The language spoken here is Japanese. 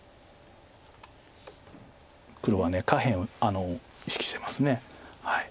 黒は下辺を意識してます。